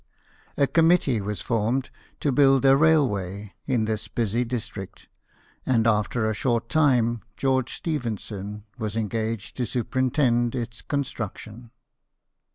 A com mittee was formed to build a railway in this busy district, and after a short time George Stephen son was engaged to superintend its construction.